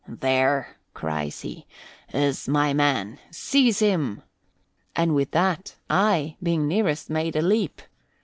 'There,' cries he, 'is my man! Seize him!' And with that I, being nearest, made a leap.